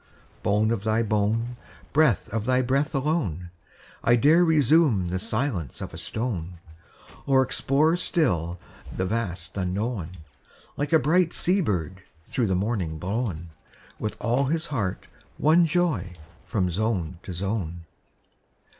Bone of thy bone, Breath of thy breath alone, I dare resume the silence of a stone, Or explore still the vast unknown, Like a bright sea bird through the morning blown, With all his heart one joy, From zone to zone.